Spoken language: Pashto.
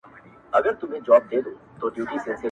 شاوخوا پر حجره یې لکه مار وګرځېدمه-